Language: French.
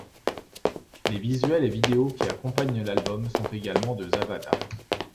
Les visuels et vidéos qui accompagnent l'album sont également de Zawada.